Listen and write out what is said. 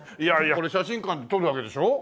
これ写真館で撮るわけでしょ？